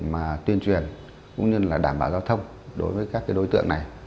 việc mà tuyên truyền cũng như là đảm bảo giao thông đối với các cái đối tượng này